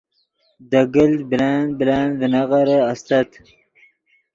دے گلت بلند بلند ڤینغیرے استت